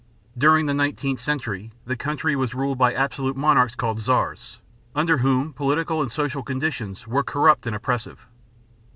During the nineteenth century the country was ruled by absolute monarchs called czars, under whom political and social conditions were corrupt and oppressive.